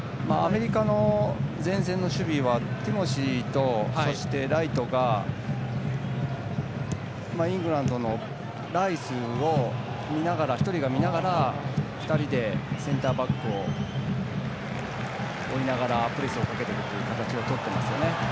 アメリカの前線の守備はティモシーとライトがイングランドのライスをそのうち１人が見ながら２人でセンターバックを追いながらプレスをかけていくという形をとっていますよね。